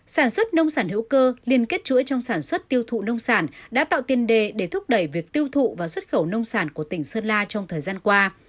sản xuất nông sản hữu cơ liên kết chuỗi trong sản xuất tiêu thụ nông sản đã tạo tiền đề để thúc đẩy việc tiêu thụ và xuất khẩu nông sản của tỉnh sơn la trong thời gian qua